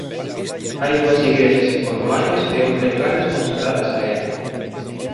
Hai dúas igrexas en Cornualles e outra en Gales consagradas a ela.